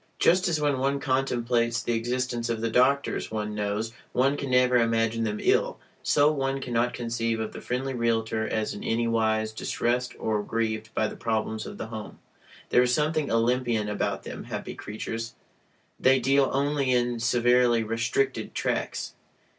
Just as when one contemplates the existence of the doctors one knows, one can never imagine them ill, so one cannot conceive of the friendly realtor as in any wise distressed or grieved by the problems of the home. There is something Olympian about them, happy creatures! They deal only in severely "restricted" tracts.